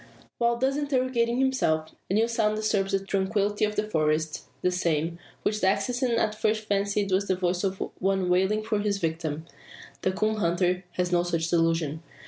While thus interrogating himself, a new sound disturbs the tranquillity of the forest the same, which the assassin at first fancied was the voice of one wailing for his victim. The coon hunter has no such delusion.